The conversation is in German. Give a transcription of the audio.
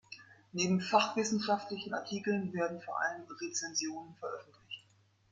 Neben fachwissenschaftlichen Artikeln werden vor allem Rezensionen veröffentlicht.